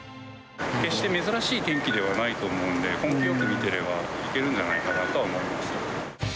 決して珍しい天気ではないと思うんで、根気よく見てればいけるんじゃないかなと思います。